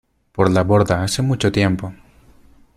por la borda hace mucho tiempo.